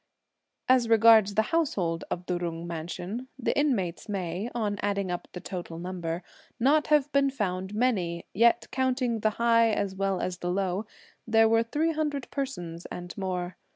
As regards the household of the Jung mansion, the inmates may, on adding up the total number, not have been found many; yet, counting the high as well as the low, there were three hundred persons and more.